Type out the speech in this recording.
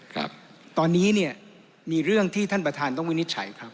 ครับตอนนี้เนี่ยมีเรื่องที่ท่านประธานต้องวินิจฉัยครับ